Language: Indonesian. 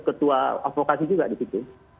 ketua advokasi juga di situ